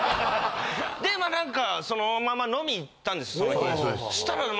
で何かそのまま飲みに行ったんですその日。